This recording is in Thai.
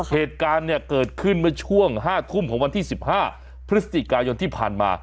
เหตุการณ์เนี่ยเกิดขึ้นเมื่อช่วง๕ทุ่มของวันที่๑๕พฤศจิกายนที่ผ่านมา